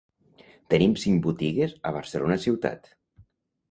Tenim cinc botigues a Barcelona ciutat.